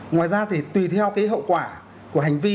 ngoài ra thì tùy theo cái hậu quả của hành vi